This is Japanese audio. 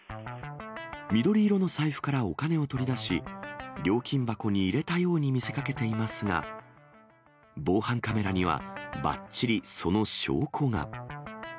緑色の財布からお金を取り出し、料金箱に入れたように見せかけていますが、防犯カメラにはばっちり、その証拠が。